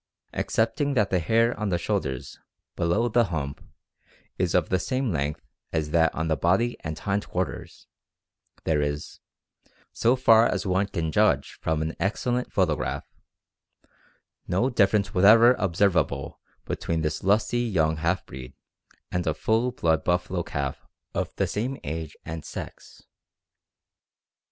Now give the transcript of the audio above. Excepting that the hair on the shoulders (below the hump) is of the same length as that on the body and hind quarters, there is, so far as one can judge from an excellent photograph, no difference whatever observable between this lusty young half breed and a full blood buffalo calf of the same age and sex.